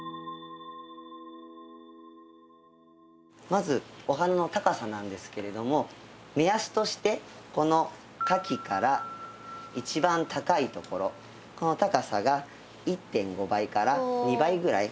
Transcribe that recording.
まずお花の高さなんですけれども目安としてこの花器から一番高いところこの高さが１．５倍から２倍ぐらい。